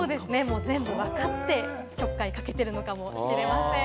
わかっていて、ちょっかいをかけているのかもしれません。